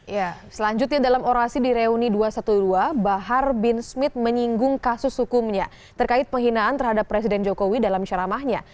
ya selanjutnya dalam orasi di reuni dua ratus dua belas bahar bin smith menyinggung kasus hukumnya terkait penghinaan terhadap presiden jokowi dalam ceramahnya